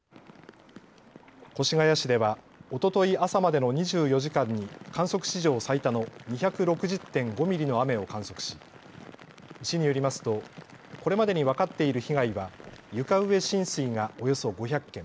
越谷市ではおととい朝までの２４時間に観測史上最多の２６０．５ミリの雨を観測し市によりますとこれまでに分かっている被害は床上浸水がおよそ５００件